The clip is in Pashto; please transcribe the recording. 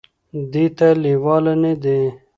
دې ته لېواله نه دي ،